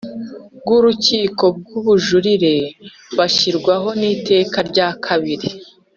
b Urukiko rw Ubujurire bashyirwaho n Iteka rya kabiri